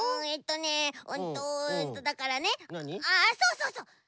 えっとねうんとだからねあっそうそうそう！